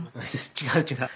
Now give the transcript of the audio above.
違う違う。